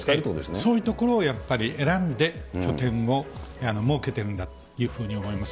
そういう所を、やっぱり選んで拠点を設けているんだというふうに思います。